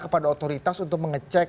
kepada otoritas untuk mengecek